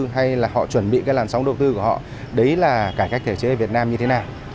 hay là họ chuẩn bị cái làn sóng đầu tư của họ đấy là cải cách thể chế ở việt nam như thế nào